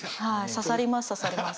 刺さります刺さります。